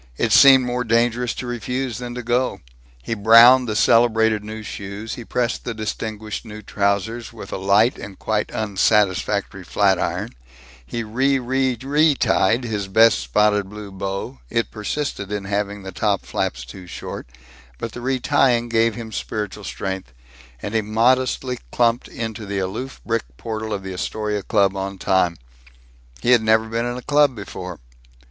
It seemed more dangerous to refuse than to go. He browned the celebrated new shoes; he pressed the distinguished new trousers, with a light and quite unsatisfactory flatiron; he re re retied his best spotted blue bow it persisted in having the top flaps too short, but the retying gave him spiritual strength and he modestly clumped into the aloof brick portal of the Astoria Club on time. He had never been in a club before.